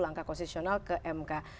langkah posisional ke mk